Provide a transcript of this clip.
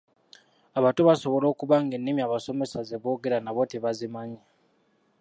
Abato basobola okuba ng'ennimi abasomesa ze boogera nabo tebazimanyi.